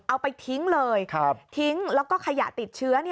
เอาไปทิ้งเลยทิ้งแล้วก็ขยะติดเชื้อ